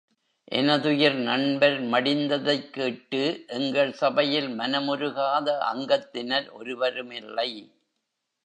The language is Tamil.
எனதுயிர் நண்பர் மடிந்ததைக் கேட்டு எங்கள் சபையில் மனமுருகாத அங்கத்தினர் ஒருவருமில்லை.